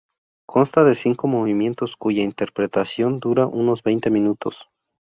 Consta de cinco movimientos, cuya interpretación dura unos veinte minutos.